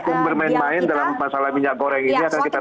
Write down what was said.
aku ingin bermain main dalam masalah minyak goreng ini akan kita tanda kejar